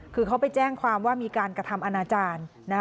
คือเขาไปแจ้งความว่ามีการกระทำอนาจารย์